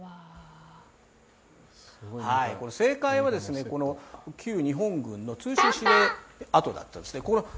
正解は旧日本軍の通信司令跡だったんです。